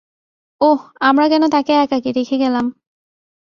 ওহ, আমরা কেনো তাকে একাকী রেখে গেলাম?